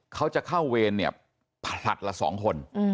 เขาจะเข้าเวรเนี่ยผลัดละ๒คน